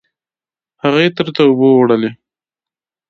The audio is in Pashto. هغې تره ته اوبه وړلې.